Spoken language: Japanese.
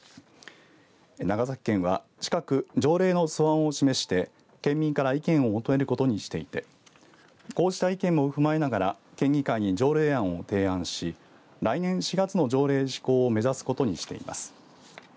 長崎県は近く条例の素案を示して県民から意見を求めることにしていてこうした意見も踏まえながら県議会に条例案を提案し来年４月の条例施行を目指すことにしています。